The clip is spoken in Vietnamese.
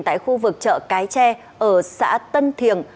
tại khu vực chợ cái tre ở xã tân thiềng